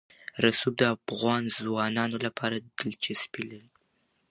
رسوب د افغان ځوانانو لپاره دلچسپي لري.